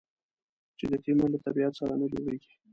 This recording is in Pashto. چې د تیمور له طبیعت سره نه جوړېږي.